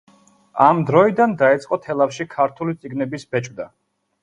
ამ დროიდან დაიწყო თელავში ქართული წიგნების ბეჭვდა.